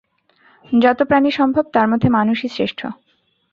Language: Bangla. যত প্রাণী সম্ভব, তার মধ্যে মানুষই শ্রেষ্ঠ।